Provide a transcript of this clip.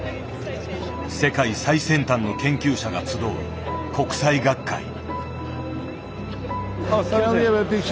世界最先端の研究者が集う国際学会。